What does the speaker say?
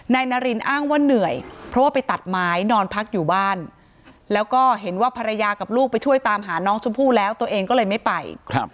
นายนารินอ้างว่าเหนื่อยเพราะว่าไปตัดไม้นอนพักอยู่บ้านแล้วก็เห็นว่าภรรยากับลูกไปช่วยตามหาน้องชมพู่แล้วตัวเองก็เลยไม่ไป